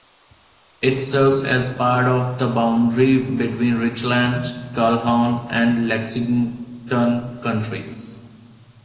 It serves as part of the boundary between Richland, Calhoun, and Lexington counties.